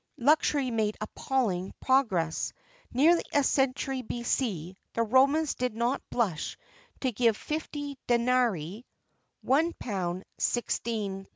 Luxury made appalling progress. Nearly a century B.C., the Romans did not blush to give 50 denarii (£1 16_s.